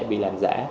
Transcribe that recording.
bị làm giả